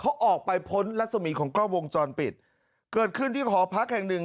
เขาออกไปพ้นรัศมีของกล้องวงจรปิดเกิดขึ้นที่หอพักแห่งหนึ่ง